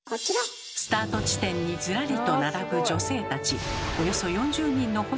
スタート地点にずらりと並ぶ女性たち。